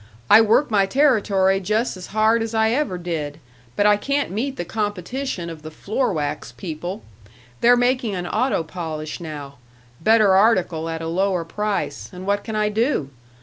I work my territory jus' as hard as I ever did, but I can't meet the competition of the floor wax people. They're making an auto polish now better article at a lower price and what can I do?